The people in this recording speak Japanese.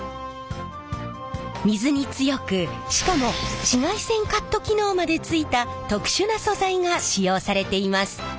水に強くしかも紫外線カット機能までついた特殊な素材が使用されています。